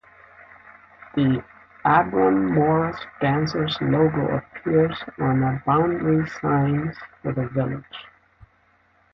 The Abram Morris Dancers' logo appears on the boundary signs for the village.